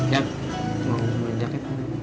ya mau jalan ya pak